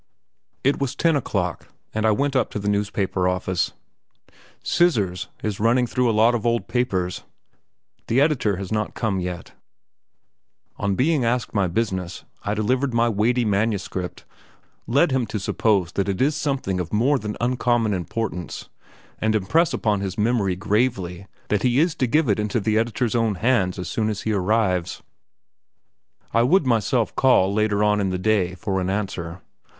It was ten o'clock, and I went up to the newspaper office. "Scissors" is running through a lot of old papers. The editor has not come yet. On being asked my business, I delivered my weighty manuscript, lead him to suppose that it is something of more than uncommon importance, and impress upon his memory gravely that he is to give it into we editor's own hands as soon as he arrives. I would myself call later on in the day for an answer.